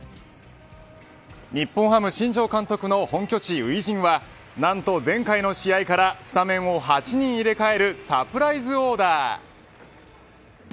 日本ハム新庄監督の本拠地初陣はなんと前回の試合からスタメンを８人入れ替えるサプライズオーダー。